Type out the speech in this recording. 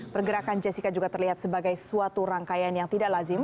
pergerakan jessica juga terlihat sebagai suatu rangkaian yang tidak lazim